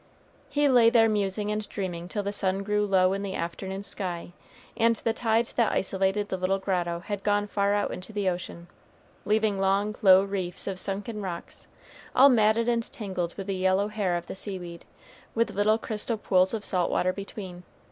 He lay there musing and dreaming till the sun grew low in the afternoon sky, and the tide that isolated the little grotto had gone far out into the ocean, leaving long, low reefs of sunken rocks, all matted and tangled with the yellow hair of the seaweed, with little crystal pools of salt water between.